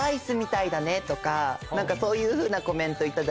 そういうふうなコメント頂いて。